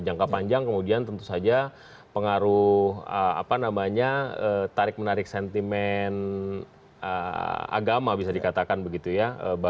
jangka panjang kemudian tentu saja pengaruh apa namanya tarik menarik sentimen agama bisa dikatakan begitu ya